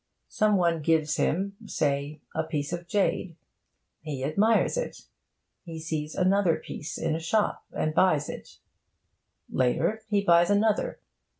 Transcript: Some one gives him (say) a piece of jade. He admires it. He sees another piece in a shop, and buys it; later, he buys another.